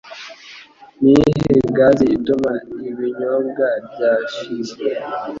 Niyihe Gazi Ituma Ibinyobwa bya Fizzy?